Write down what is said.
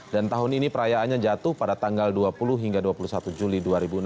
dan tahun ini perayaannya jatuh pada tanggal dua puluh hingga dua puluh satu juli dua ribu enam belas